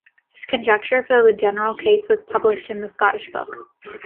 His conjecture for the general case was published in the Scottish book.